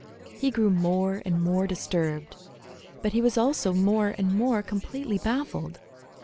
He grew more and more disturbed, but he was also more and more completely baffled.